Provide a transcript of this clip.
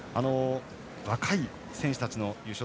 若い選手たちの優勝。